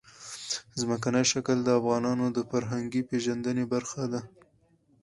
ځمکنی شکل د افغانانو د فرهنګي پیژندنې برخه ده.